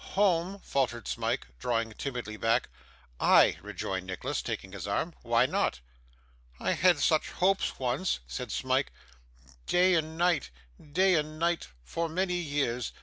'Home!' faltered Smike, drawing timidly back. 'Ay,' rejoined Nicholas, taking his arm. 'Why not?' 'I had such hopes once,' said Smike; 'day and night, day and night, for many years.